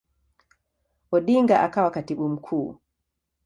Odinga akawa Katibu Mkuu.